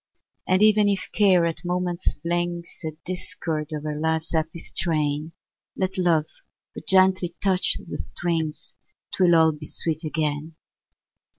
And even if Care at moments flings A discord o'er life's happy strain, Let Love but gently touch the strings, 'Twill all be sweet again!